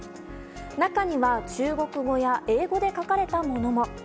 中には、中国語や英語で書かれたものも。